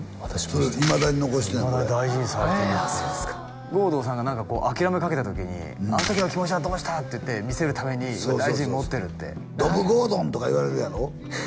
それいまだに残してんねんいまだに大事にされてるって郷敦さんが何かこう諦めかけた時に「あん時の気持ちはどうした」って言って見せるために大事に持ってるって「どぶ郷敦」とか言われるやろ？